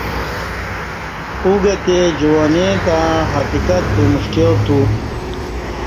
اگہ تے جوانی تݩ حقیقت پمݜٹیات